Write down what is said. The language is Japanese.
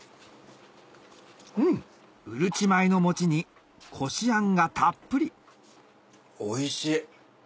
うるち米の餅にこしあんがたっぷりおいしい。